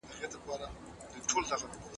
خلک به له ډوډۍ وروسته وګرځي.